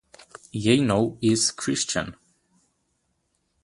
Yano is Christian.